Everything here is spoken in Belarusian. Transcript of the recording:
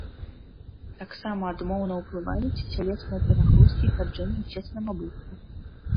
Таксама адмоўна ўплываюць цялесныя перагрузкі і хаджэнне ў цесным абутку.